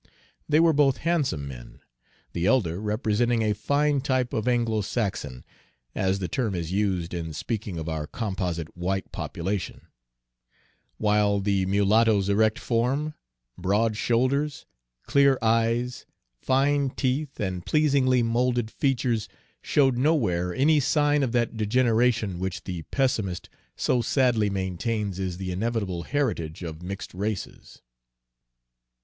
They were both handsome men, the elder representing a fine type of Anglo Saxon, as the term is used in speaking of our composite white population; while the mulatto's erect form, broad shoulders, clear eyes, fine teeth, and pleasingly moulded features showed nowhere any sign of that degeneration which the pessimist so sadly maintains is the inevitable heritage of mixed races.